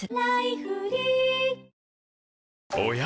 おや？